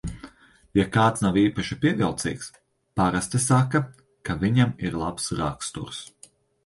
Ja kāds nav īpaši pievilcīgs, parasti saka, ka viņam ir labs raksturs.